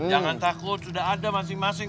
jangan takut sudah ada masing masing